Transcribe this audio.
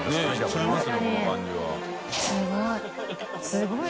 すごい。